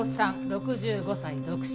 ６５歳独身。